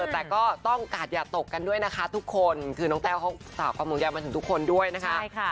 แต่ก็ต้องกาดอย่าตกกันด้วยนะคะทุกคนคือน้องแต้วเขาฝากความห่วงใยมาถึงทุกคนด้วยนะคะ